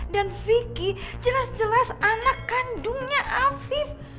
dan vicky jelas jelas anak kandungnya afif